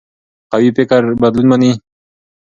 قوي فکر بدلون مني